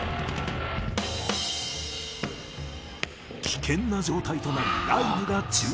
危険な状態となりライブが中断。